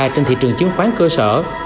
trên thị trường chứng khoán cơ sở